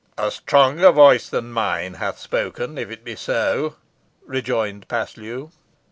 "A stronger voice than mine hath spoken, if it be so," rejoined Paslew.